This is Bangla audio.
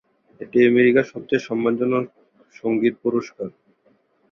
এটি আমেরিকার সবচেয়ে সম্মানজনক সঙ্গীত পুরস্কার।